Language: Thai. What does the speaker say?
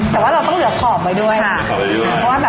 แต่ว่าเราต้องเหลือขอบไว้ด้วยค่ะ